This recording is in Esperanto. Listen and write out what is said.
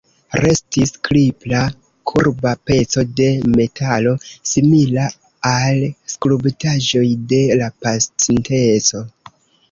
Restis kripla kurba peco de metalo, simila al skulptaĵoj de la pasinteco.